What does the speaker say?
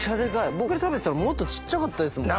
僕が食べてたのもっと小っちゃかったですもん。